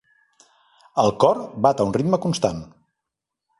El cor bat a un ritme constant.